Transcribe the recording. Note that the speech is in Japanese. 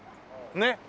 ねっ。